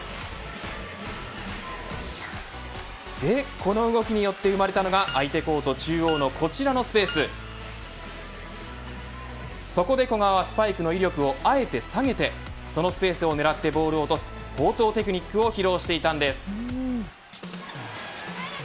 この動きによって生まれたのが相手コート中央のこちらのスペースそこで古賀はスパイクの威力をあえて下げてそのスペースを狙ってボールを落とす高等テクニックを披露していたんです。